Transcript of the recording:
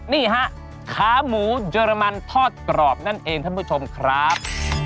นี่ฮะขาหมูเยอรมันทอดกรอบนั่นเองท่านผู้ชมครับ